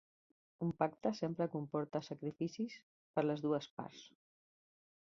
Un pacte sempre comporta sacrificis per les dues parts.